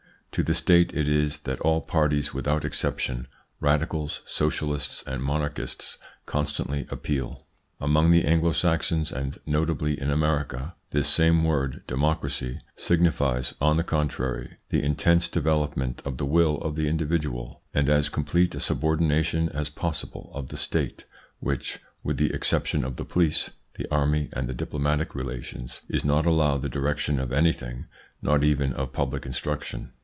To the State it is that all parties without exception, radicals, socialists, or monarchists, constantly appeal. Among the Anglo Saxons and notably in America this same word "democracy" signifies, on the contrary, the intense development of the will of the individual, and as complete a subordination as possible of the State, which, with the exception of the police, the army, and diplomatic relations, is not allowed the direction of anything, not even of public instruction.